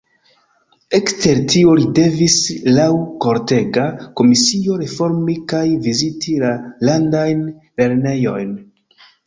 Ekster tio li devis laŭ kortega komisio reformi kaj viziti la landajn lernejojn.